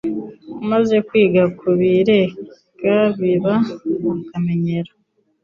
Umaze kwiga kubireka, biba akamenyero.